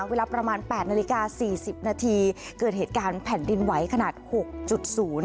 เวลาประมาณ๘นาฬิกา๔๐นาทีเกิดเหตุการณ์แผ่นดินไหวขนาด๖๐